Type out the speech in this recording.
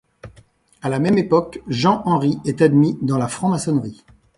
À la même époque, Jean-Henri est admis dans la franc-maçonnerie.